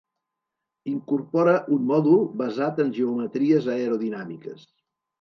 Incorpora un mòdul basat en geometries aerodinàmiques.